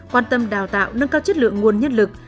quan tâm đào tạo nâng cao chất lượng nguồn nhân lực